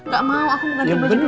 gak mau aku gak dibeliin